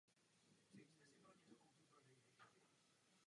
Stavba je jedním z posledních příkladů vojenské architektury ve Francii.